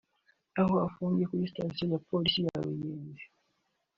Aho afungiye kuri Sitasiyo ya Polisi ya Ruyenzi